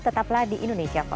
tetaplah di indonesia polon